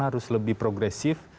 harus lebih progresif